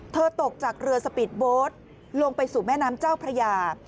ตกจากเรือสปีดโบสต์ลงไปสู่แม่น้ำเจ้าพระยา